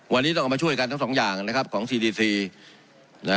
วันนี้ต้องเอามาช่วยกันทั้งสองอย่างนะครับของซีดีซีนะ